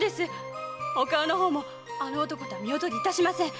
お顔の方もあの男に見劣りいたしません。